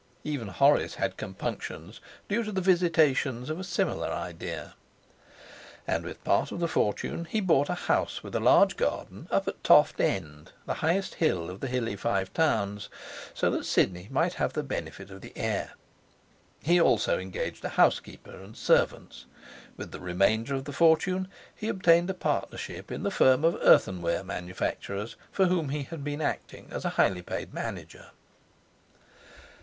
Even Horace had compunctions due to the visitations of a similar idea. And with part of the fortune he bought a house with a large garden up at Toft End, the highest hill of the hilly Five Towns, so that Sidney might have the benefit of the air. He also engaged a housekeeper and servants. With the remainder of the fortune he obtained a partnership in the firm of earthenware manufacturers for whom he had been acting as highly paid manager.